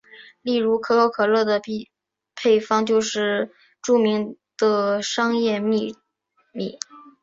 例如可口可乐的配方就是著名的商业秘密。